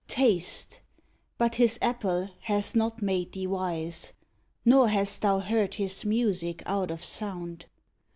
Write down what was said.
Taste! But His apple hath not made thee wise, Nor hast thou heard His music out of sound.